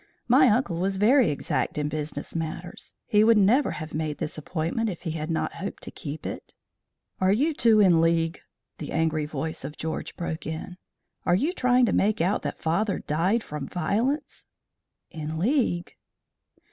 My uncle was very exact in business matters. He would never have made this appointment if he had not hoped to keep it." "Are you two in league?" the angry voice of George broke in. "Are you trying to make out that father died from violence?" "In league?"